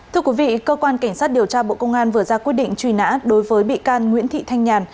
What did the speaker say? thưa quý vị cơ quan cảnh sát điều tra bộ công an vừa ra quyết định truy nã đối với bị can nguyễn thị thanh nhàn